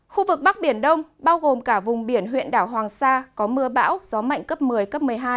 khu vực bắc biển đông bao gồm cả vùng biển huyện đảo hoàng sa có mưa bão gió mạnh cấp một mươi cấp một mươi hai